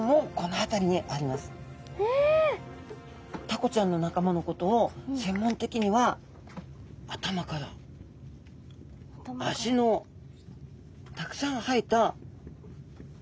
タコちゃんの仲間のことをせんもんてきには頭から足のたくさん生えた生き物。